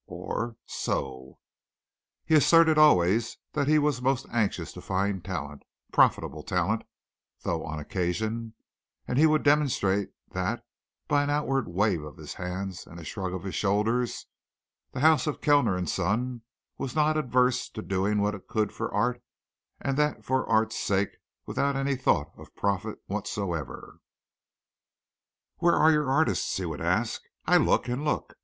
or "So?" He asserted always that he was most anxious to find talent profitable talent though on occasion (and he would demonstrate that by an outward wave of his hands and a shrug of his shoulders), the house of Kellner and Son was not averse to doing what it could for art and that for art's sake without any thought of profit whatsoever. "Where are your artists?" he would ask. "I look and look.